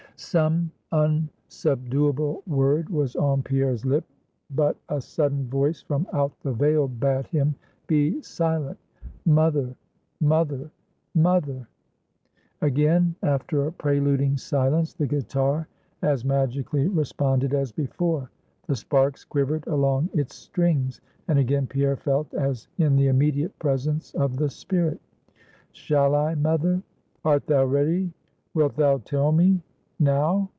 Some unsubduable word was on Pierre's lip, but a sudden voice from out the veil bade him be silent. "Mother mother mother!" Again, after a preluding silence, the guitar as magically responded as before; the sparks quivered along its strings; and again Pierre felt as in the immediate presence of the spirit. "Shall I, mother? Art thou ready? Wilt thou tell me? Now?